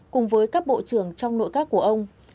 cùng với các bộ trưởng trong nội các của ông